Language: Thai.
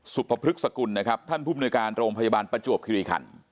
พพฤกษกุลนะครับท่านผู้มนุยการโรงพยาบาลประจวบคิริคัน